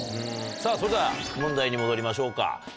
さぁそれでは問題に戻りましょうか。